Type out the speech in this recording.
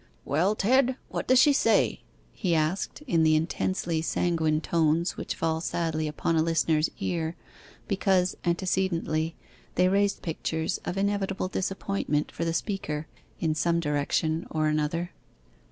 'Well, Ted, what does she say?' he asked, in the intensely sanguine tones which fall sadly upon a listener's ear, because, antecedently, they raise pictures of inevitable disappointment for the speaker, in some direction or another.